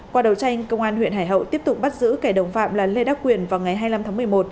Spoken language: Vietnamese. qua đầu tranh công an huyện hải hậu tiếp tục bắt giữ kẻ đồng phạm là lê đắc quyền vào ngày hai mươi năm tháng một mươi một